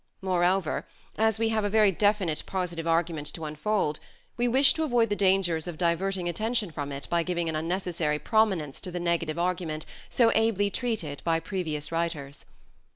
Moreover, as we have a very definite positive argument to unfold we wish to avoid the dangers of diverting attention from it by giving an unnecessary prominence to the negative argument so ably treated by previous writers.